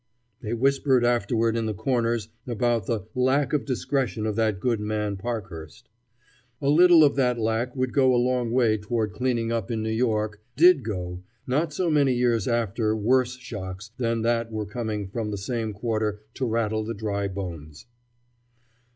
They whispered afterward in the corners about the "lack of discretion of that good man Parkhurst." A little of that lack would go a long way toward cleaning up in New York did go, not so many years after Worse shocks than that were coming from the same quarter to rattle the dry bones.